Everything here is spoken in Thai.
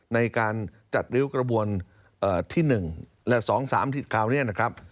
ในการจัดริ้วกระบวนที่๑และ๒๓คราวนี้นะครับ